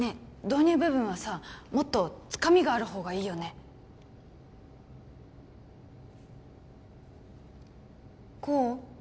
導入部分はさもっとつかみがあるほうがいいよね功？